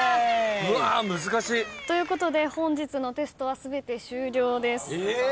うわ難しい。ということで本日のテストは全て終了です。